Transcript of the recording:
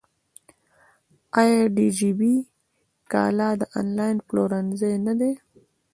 آیا دیجیجی کالا د انلاین پلورنځی نه دی؟